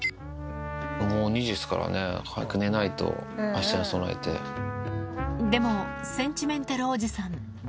もう２時ですからね、でもセンチメンタルおじさん。